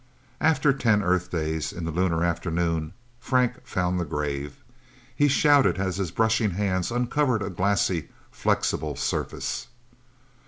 After ten Earth days, in the lunar afternoon, Frank found the grave. He shouted as his brushing hands uncovered a glassy, flexible surface.